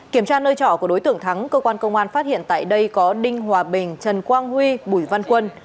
kiểm tra nơi trỏ của đối tượng thắng cơ quan công an phát hiện tại đây có đinh hòa bình trần quang huy bùi văn quân